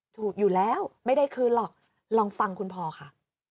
ถูกอยู่แล้วไม่ได้คืนหรอกลองฟังคุณพอค่ะ